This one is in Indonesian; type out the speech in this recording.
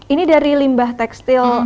ini dari limbah tekstil